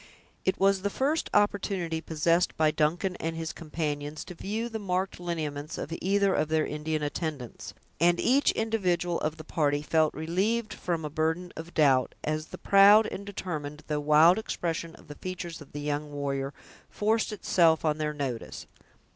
It was the first opportunity possessed by Duncan and his companions to view the marked lineaments of either of their Indian attendants, and each individual of the party felt relieved from a burden of doubt, as the proud and determined, though wild expression of the features of the young warrior forced itself on their notice.